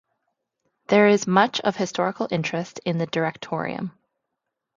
There is much of historical interest in the "Directorium".